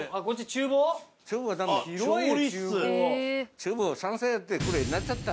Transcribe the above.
厨房山菜やってこれなっちゃった。